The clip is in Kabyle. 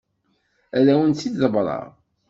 Ad awent-t-id-ḍebbreɣ.